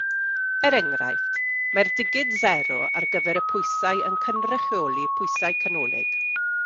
Er enghraifft, mae'r digid sero ar gyfer y pwysau yn cynrychioli pwysau canolig.